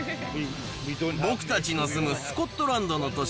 僕たちの住むスコットランドの都市